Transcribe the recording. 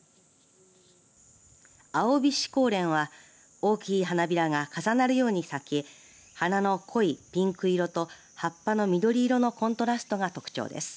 青菱紅蓮は大きい花びらが重なるように咲き花の濃いピンク色と葉っぱの緑色のコントラストが特徴です。